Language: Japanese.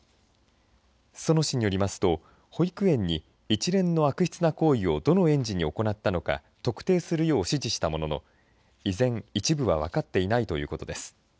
裾野市によりますと、保育園に一連の悪質な行為をどの園児に行ったのか特定するよう指示したものの以前、一部はわかっていないということです。